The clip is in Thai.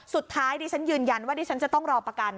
สุดท้ายดิฉันยืนยันว่าดิฉันจะต้องรอประกัน